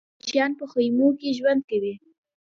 کوچيان په خيمو کې ژوند کوي.